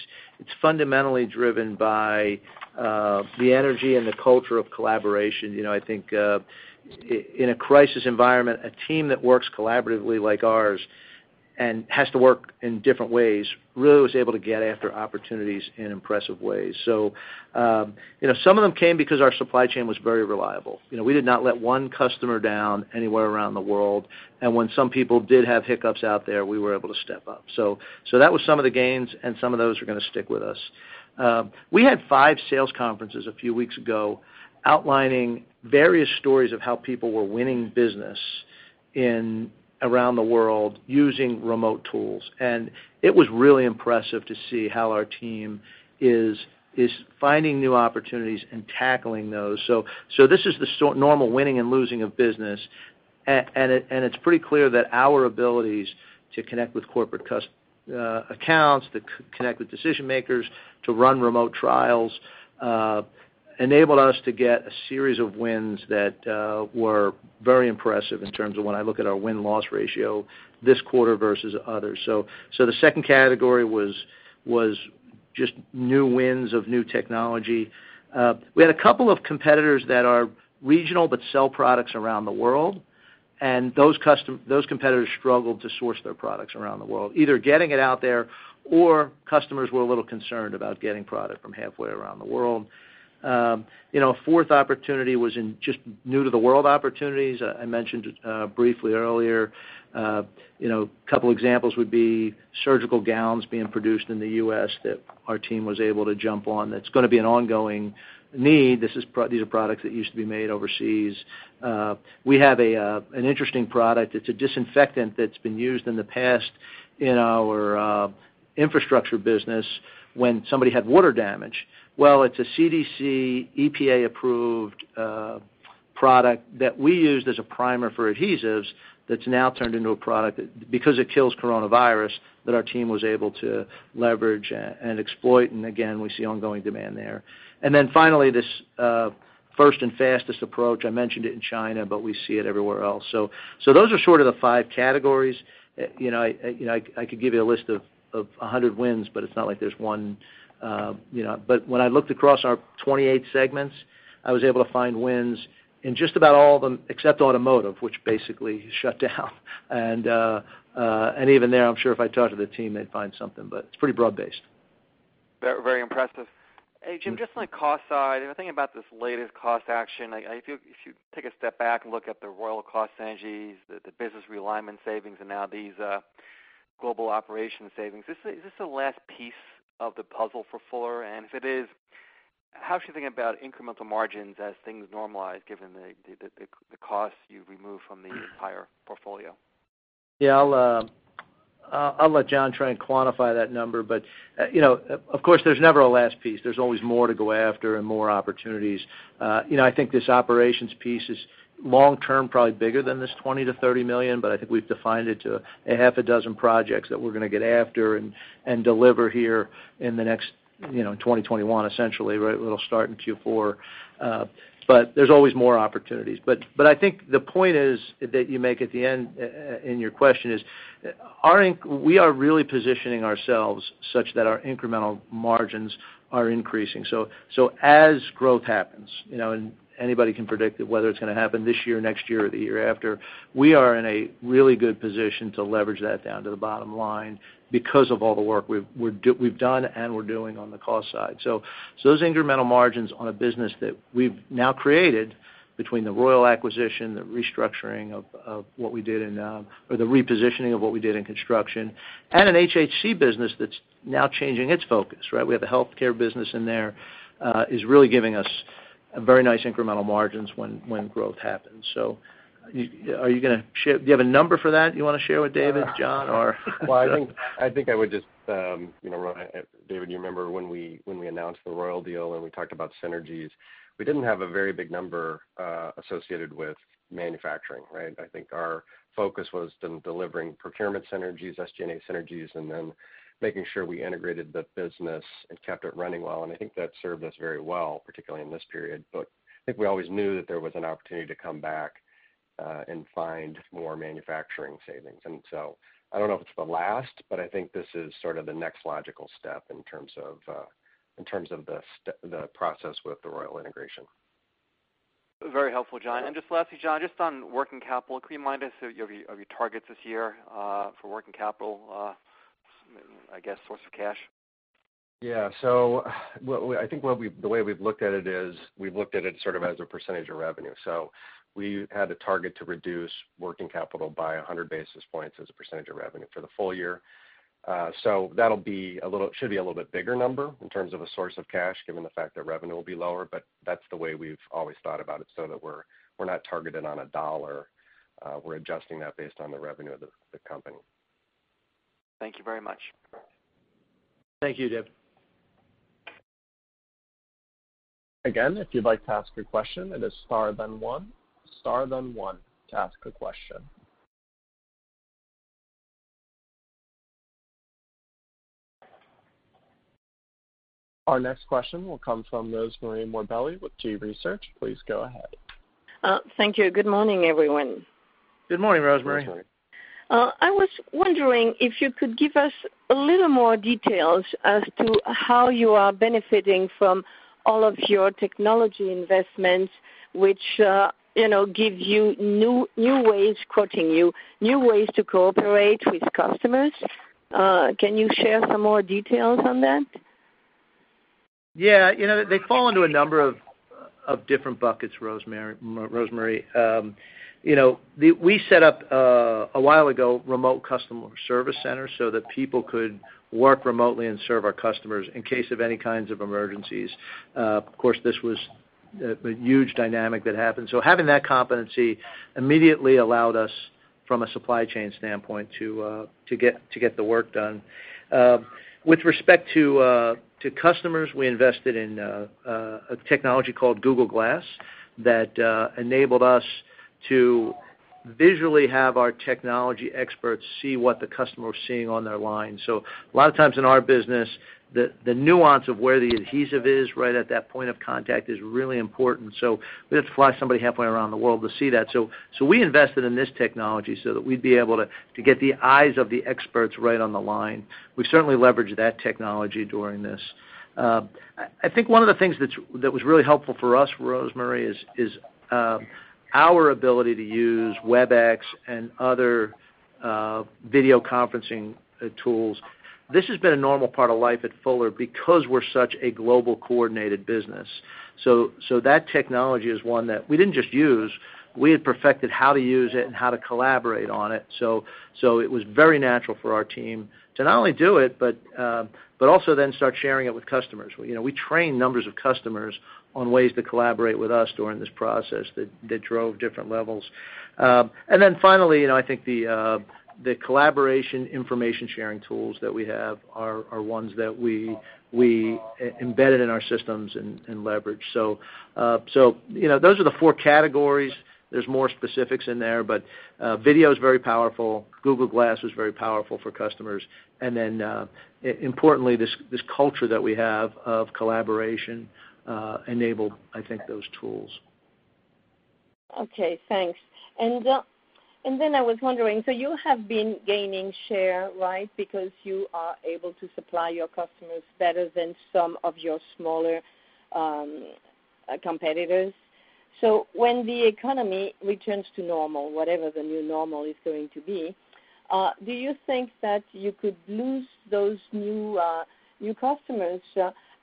fundamentally driven by the energy and the culture of collaboration. I think, in a crisis environment, a team that works collaboratively like ours and has to work in different ways really was able to get after opportunities in impressive ways. Some of them came because our supply chain was very reliable. We did not let one customer down anywhere around the world, and when some people did have hiccups out there, we were able to step up. That was some of the gains, and some of those are going to stick with us. We had five sales conferences a few weeks ago outlining various stories of how people were winning business around the world using remote tools. It was really impressive to see how our team is finding new opportunities and tackling those. This is the normal winning and losing of business, and it's pretty clear that our abilities to connect with corporate accounts, to connect with decision-makers, to run remote trials, enabled us to get a series of wins that were very impressive in terms of when I look at our win-loss ratio this quarter versus others. The second category was just new wins of new technology. We had a couple of competitors that are regional but sell products around the world, and those competitors struggled to source their products around the world, either getting it out there or customers were a little concerned about getting product from halfway around the world. A fourth opportunity was in just new to the world opportunities. I mentioned briefly earlier, couple examples would be surgical gowns being produced in the U.S. that our team was able to jump on. That's going to be an ongoing need. These are products that used to be made overseas. We have an interesting product. It's a disinfectant that's been used in the past in our infrastructure business when somebody had water damage. Well, it's a CDC, EPA-approved product that we used as a primer for adhesives that's now turned into a product, because it kills coronavirus, that our team was able to leverage and exploit. Again, we see ongoing demand there. Finally, this first and fastest approach, I mentioned it in China, but we see it everywhere else. Those are sort of the 5 categories. I could give you a list of 100 wins, but it's not like there's one. When I looked across our 28 segments, I was able to find wins in just about all of them, except automotive, which basically shut down. Even there, I'm sure if I talked to the team, they'd find something, but it's pretty broad-based. Very impressive. Hey, Jim, just on the cost side, I think about this latest cost action. If you take a step back and look at the Royal cost synergies, the business realignment savings, and now these global operation savings, is this the last piece of the puzzle for Fuller? If it is, how should you think about incremental margins as things normalize given the costs you've removed from the entire portfolio? Yeah. I'll let John try and quantify that number. Of course, there's never a last piece. There's always more to go after and more opportunities. I think this operations piece is long-term probably bigger than this $20 million-$30 million. I think we've defined it to a half a dozen projects that we're going to get after and deliver here in the next 2021, essentially. It'll start in Q4. There's always more opportunities. I think the point that you make at the end in your question is, we are really positioning ourselves such that our incremental margins are increasing. As growth happens, and anybody can predict whether it's going to happen this year or next year or the year after, we are in a really good position to leverage that down to the bottom line because of all the work we've done and we're doing on the cost side. Those incremental margins on a business that we've now created between the Royal acquisition, the repositioning of what we did in construction, and an HHC business that's now changing its focus, right? We have the healthcare business in there, is really giving us very nice incremental margins when growth happens. Are you going to share? Do you have a number for that you want to share with David, John, or? I think I would just-- David, you remember when we announced the Royal deal and we talked about synergies. We didn't have a very big number associated with manufacturing, right? I think our focus was delivering procurement synergies, SG&A synergies, and then making sure we integrated the business and kept it running well. I think that served us very well, particularly in this period. I think we always knew that there was an opportunity to come back and find more manufacturing savings. I don't know if it's the last, but I think this is sort of the next logical step in terms of the process with the Royal integration. Very helpful, John. Just lastly, John, just on working capital, can you remind us of your targets this year for working capital, I guess, source of cash? I think the way we've looked at it is we've looked at it sort of as a percentage of revenue. We had a target to reduce working capital by 100 basis points as a percentage of revenue for the full year. That should be a little bit bigger number in terms of a source of cash, given the fact that revenue will be lower, but that's the way we've always thought about it, so that we're not targeted on a dollar. We're adjusting that based on the revenue of the company. Thank you very much. Thank you, Dave. Again, if you'd like to ask a question, it is star then one. Star then one to ask a question. Our next question will come from Rosemarie Morbelli with G.research. Please go ahead. Thank you. Good morning, everyone. Good morning, Rosemarie. Rosemarie. I was wondering if you could give us a little more details as to how you are benefiting from all of your technology investments, which give you new ways, quoting you, "New ways to cooperate with customers." Can you share some more details on that? Yeah. They fall into a number of different buckets, Rosemarie. We set up, a while ago, remote customer service centers so that people could work remotely and serve our customers in case of any kinds of emergencies. Of course, this was a huge dynamic that happened. Having that competency immediately allowed us, from a supply chain standpoint, to get the work done. With respect to customers, we invested in a technology called Google Glass that enabled us to visually have our technology experts see what the customer was seeing on their line. A lot of times in our business, the nuance of where the adhesive is right at that point of contact is really important. We'd have to fly somebody halfway around the world to see that. We invested in this technology so that we'd be able to get the eyes of the experts right on the line. We certainly leveraged that technology during this. I think one of the things that was really helpful for us, Rosemarie, is our ability to use Webex and other video conferencing tools. This has been a normal part of life at Fuller because we're such a global coordinated business. That technology is one that we didn't just use. We had perfected how to use it and how to collaborate on it. It was very natural for our team to not only do it, but also then start sharing it with customers. We trained numbers of customers on ways to collaborate with us during this process that drove different levels. Finally, I think the collaboration information sharing tools that we have are ones that we embedded in our systems and leveraged. Those are the four categories. There's more specifics in there, but video is very powerful. Google Glass was very powerful for customers. Importantly, this culture that we have of collaboration enabled, I think, those tools. Okay, thanks. I was wondering, you have been gaining share, right? Because you are able to supply your customers better than some of your smaller competitors. When the economy returns to normal, whatever the new normal is going to be, do you think that you could lose those new customers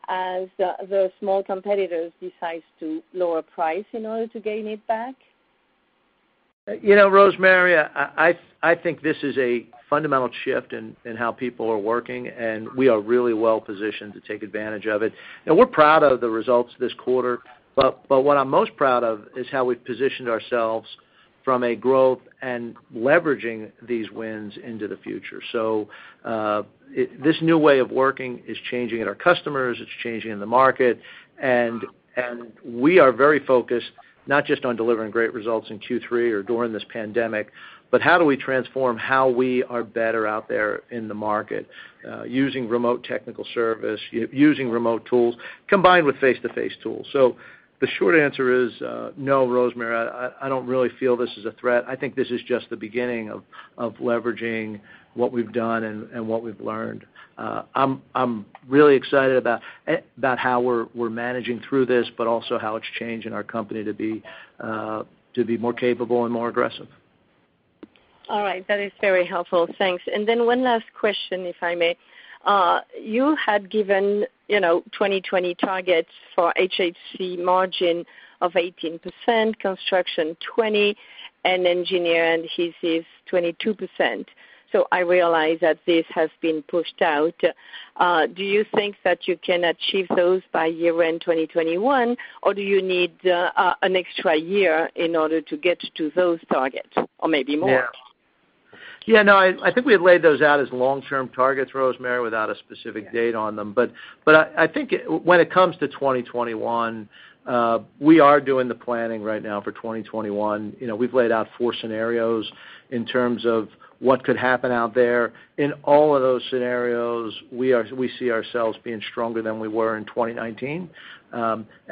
as the small competitors decide to lower price in order to gain it back? Rosemarie, I think this is a fundamental shift in how people are working, and we are really well positioned to take advantage of it. We're proud of the results this quarter. What I'm most proud of is how we've positioned ourselves from a growth and leveraging these wins into the future. This new way of working is changing in our customers, it's changing in the market. We are very focused, not just on delivering great results in Q3 or during this pandemic, but how do we transform how we are better out there in the market using remote technical service, using remote tools, combined with face-to-face tools. The short answer is no, Rosemarie, I don't really feel this is a threat. I think this is just the beginning of leveraging what we've done and what we've learned. I'm really excited about how we're managing through this, but also how it's changing our company to be more capable and more aggressive. All right. That is very helpful. Thanks. One last question, if I may. You had given 2020 targets for HHC margin of 18%, construction 20. Engineering Adhesives, 22%. I realize that this has been pushed out. Do you think that you can achieve those by year-end 2021, or do you need an extra year in order to get to those targets, or maybe more? Yeah. No, I think we had laid those out as long-term targets, Rosemarie, without a specific date on them. I think when it comes to 2021, we are doing the planning right now for 2021. We've laid out four scenarios in terms of what could happen out there. In all of those scenarios, we see ourselves being stronger than we were in 2019.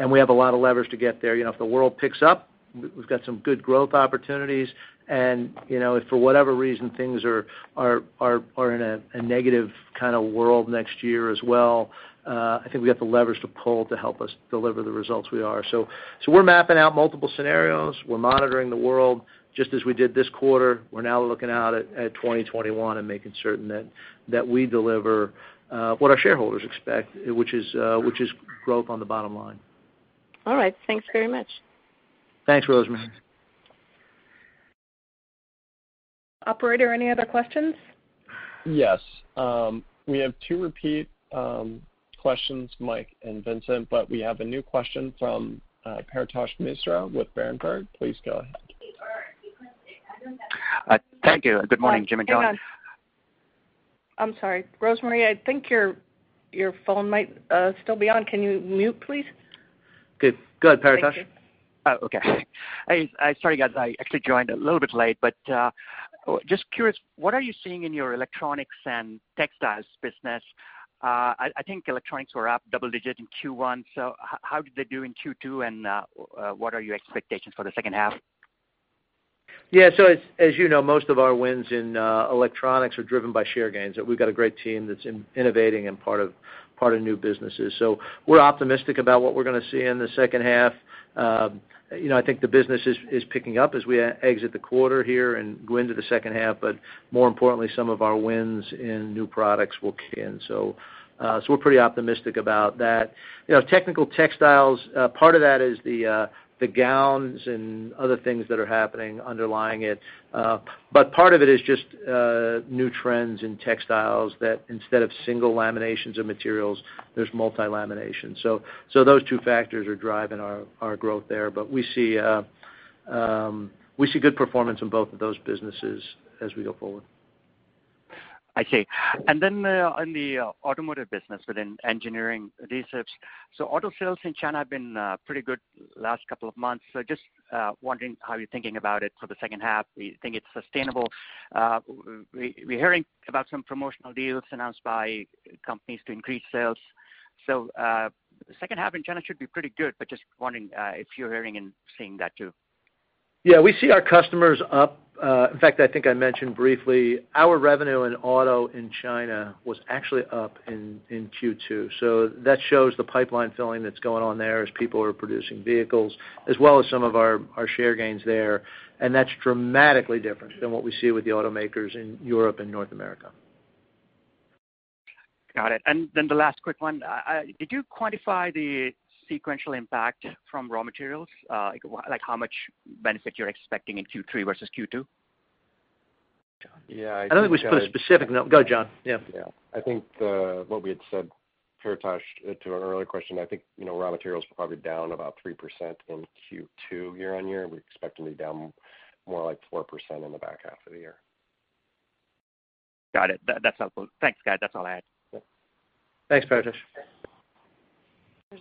We have a lot of levers to get there. If the world picks up, we've got some good growth opportunities, and if for whatever reason things are in a negative kind of world next year as well, I think we got the levers to pull to help us deliver the results we are. We're mapping out multiple scenarios. We're monitoring the world, just as we did this quarter. We're now looking out at 2021 and making certain that we deliver what our shareholders expect, which is growth on the bottom line. All right. Thanks very much. Thanks, Rosemarie. Operator, any other questions? Yes. We have two repeat questions, Mike and Vincent, but we have a new question from Paretosh Misra with Berenberg. Please go ahead. Thank you, and good morning, Jim and John. Hang on. I'm sorry. Rosemarie, I think your phone might still be on. Can you mute, please? Good. Go ahead, Paretosh. Thank you. Oh, okay. Sorry, guys. I actually joined a little bit late, but just curious, what are you seeing in your electronics and textiles business? I think electronics were up double digit in Q1, so how did they do in Q2, and what are your expectations for the second half? As you know, most of our wins in electronics are driven by share gains. We've got a great team that's innovating in part of new businesses. We're optimistic about what we're going to see in the second half. I think the business is picking up as we exit the quarter here and go into the second half, but more importantly, some of our wins in new products will key in. We're pretty optimistic about that. Technical textiles, part of that is the gowns and other things that are happening underlying it. Part of it is just new trends in textiles that instead of single laminations of materials, there's multi-lamination. Those two factors are driving our growth there. We see good performance in both of those businesses as we go forward. I see. Then on the automotive business within Engineering Adhesives. Auto sales in China have been pretty good last couple of months. Just wondering how you're thinking about it for the second half? Do you think it's sustainable? We're hearing about some promotional deals announced by companies to increase sales. The second half in China should be pretty good, but just wondering if you're hearing and seeing that too? Yeah, we see our customers up. In fact, I think I mentioned briefly, our revenue in auto in China was actually up in Q2. That shows the pipeline filling that's going on there as people are producing vehicles, as well as some of our share gains there, and that's dramatically different than what we see with the automakers in Europe and North America. Got it. The last quick one. Did you quantify the sequential impact from raw materials? Like how much benefit you're expecting in Q3 versus Q2? John? Yeah. I know it was specific. No, go, John. Yeah. Yeah. I think what we had said, Paritosh, to an earlier question, I think raw materials were probably down about three percent in Q2 year-on-year. We expect to be down more like four percent in the back half of the year. Got it. That's helpful. Thanks, guys. That's all I had. Thanks, Paritosh.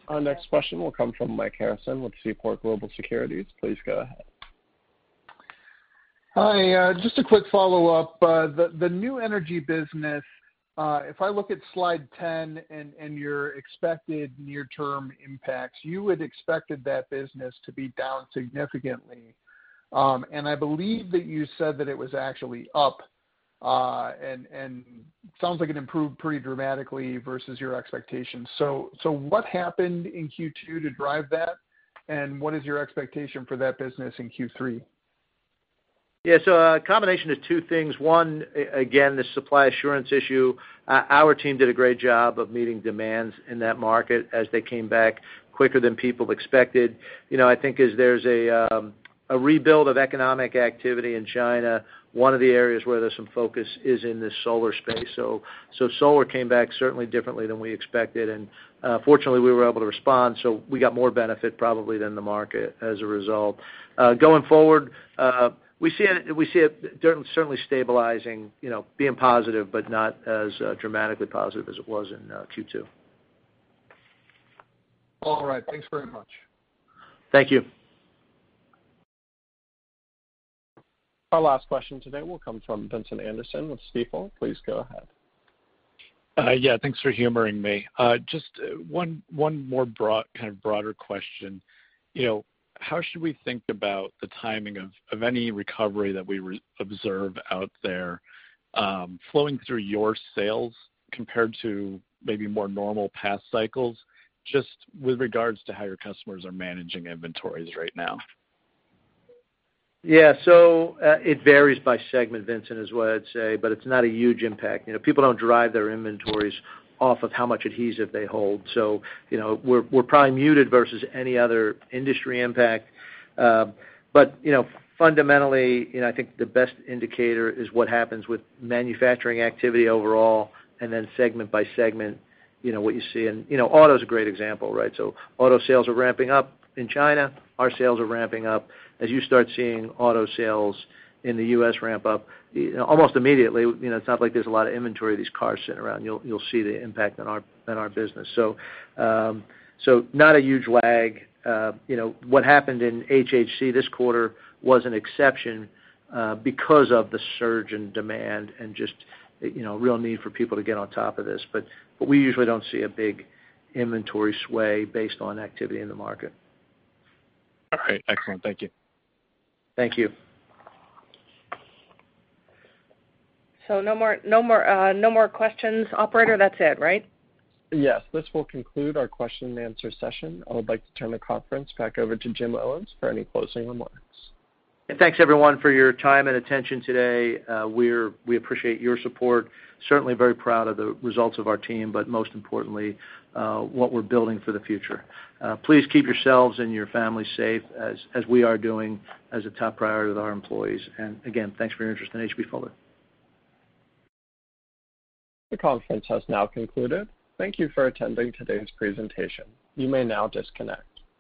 Our next question will come from Mike Harrison with Seaport Global Securities. Please go ahead. Hi. Just a quick follow-up. The new energy business, if I look at slide 10 and your expected near term impacts, you had expected that business to be down significantly. I believe that you said that it was actually up, and sounds like it improved pretty dramatically versus your expectations. What happened in Q2 to drive that, and what is your expectation for that business in Q3? Yeah. A combination of two things. One, again, the supply assurance issue. Our team did a great job of meeting demands in that market as they came back quicker than people expected. I think as there's a rebuild of economic activity in China, one of the areas where there's some focus is in the solar space. Solar came back certainly differently than we expected, and fortunately, we were able to respond, so we got more benefit probably than the market as a result. Going forward, we see it certainly stabilizing, being positive, but not as dramatically positive as it was in Q2. All right. Thanks very much. Thank you. Our last question today will come from Vincent Anderson with Stifel. Please go ahead. Yeah. Thanks for humoring me. Just one more kind of broader question. How should we think about the timing of any recovery that we observe out there flowing through your sales compared to maybe more normal past cycles, just with regards to how your customers are managing inventories right now? It varies by segment, Vincent, is what I'd say, but it's not a huge impact. People don't drive their inventories off of how much adhesive they hold. We're probably muted versus any other industry impact. Fundamentally, I think the best indicator is what happens with manufacturing activity overall, and then segment by segment, what you see in Auto's a great example, right? Auto sales are ramping up in China. Our sales are ramping up. As you start seeing auto sales in the U.S. ramp up, almost immediately, it's not like there's a lot of inventory of these cars sitting around. You'll see the impact in our business. Not a huge lag. What happened in HHC this quarter was an exception because of the surge in demand and just real need for people to get on top of this. We usually don't see a big inventory sway based on activity in the market. All right. Excellent. Thank you. Thank you. No more questions, operator? That's it, right? Yes. This will conclude our question and answer session. I would like to turn the conference back over to Jim Owens for any closing remarks. Thanks everyone for your time and attention today. We appreciate your support. Certainly very proud of the results of our team, but most importantly, what we're building for the future. Please keep yourselves and your family safe as we are doing as a top priority with our employees. Again, thanks for your interest in H.B. Fuller. The conference has now concluded. Thank you for attending today's presentation. You may now disconnect.